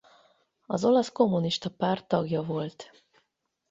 Az Olasz Kommunista Párt tagja volt.